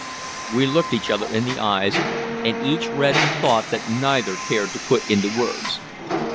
We looked each other in the eyes, and each read the thought that neither cared to put into words.